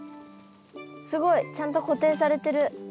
すごいちゃんと固定されてる。